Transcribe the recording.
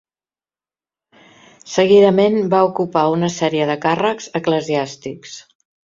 Seguidament, va ocupar una sèrie de càrrecs eclesiàstics.